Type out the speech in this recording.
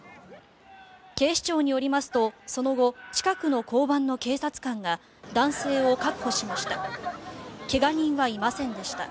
警視庁によりますとその後、近くの交番の警察官が男性を確保しました。